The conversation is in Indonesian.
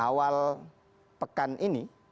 awal pekan ini